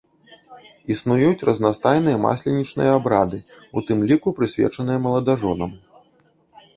Існуюць разнастайныя масленічныя абрады, у тым ліку прысвечаныя маладажонам.